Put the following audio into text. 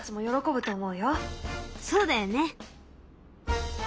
そうだよね。